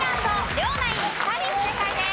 両ナイン２人正解です。